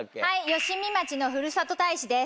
吉見町のふるさと大使です。